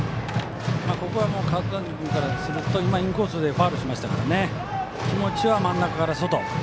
ここは角谷からすると今、インコースでファウルしましたから気持ちは真ん中から外。